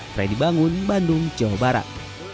freddy bangun bandung jawa barat